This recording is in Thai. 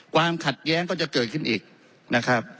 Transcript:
ความขัดแย้งก็จะเกิดขึ้นอีกนะครับ